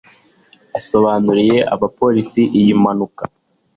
yasobanuriye abapolisi iyi mpanuka